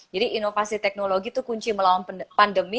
jadi inovasi teknologi itu kunci melawan pandemi